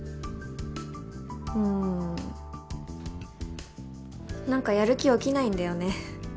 うんなんかやる気起きないんだよね。